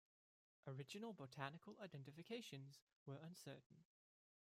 Original botanical identifications were uncertain.